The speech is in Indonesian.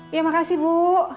iya makasih bu